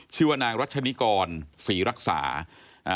ชีวนางรัชฐมิกรศรีรักษาอ่ะ